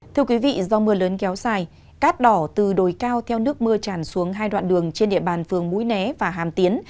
thưa quý vị do mưa lớn kéo dài cát đỏ từ đồi cao theo nước mưa tràn xuống hai đoạn đường trên địa bàn phường mũi né và hàm tiến